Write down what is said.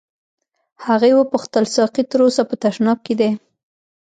هغې وپوښتل ساقي تر اوسه په تشناب کې دی.